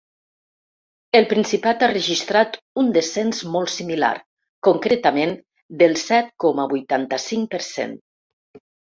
El Principat ha registrat un descens molt similar, concretament del set coma vuitanta-cinc per cent.